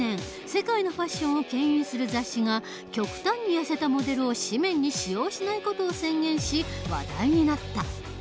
世界のファッションをけん引する雑誌が極端にやせたモデルを紙面に使用しない事を宣言し話題になった。